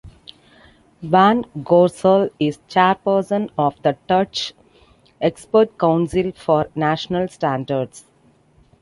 Van Gorsel is chairperson of the Dutch Expert Council for national standards.